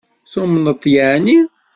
Tumneḍ-t yeεni?